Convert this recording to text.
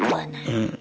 うん。